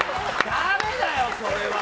ダメだよ、それは！